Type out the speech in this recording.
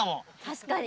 確かに。